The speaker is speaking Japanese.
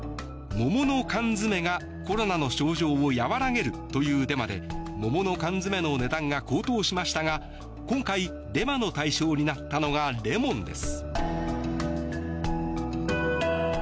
桃の缶詰がコロナの症状を和らげるというデマで桃の缶詰の値段が高騰しましたが今回、デマの対象になったのがレモンです。